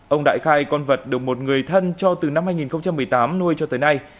ông đại khai con vật được một người thân cho từ năm hai nghìn một mươi tám nuôi cho tới nay